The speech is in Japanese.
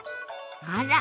あら。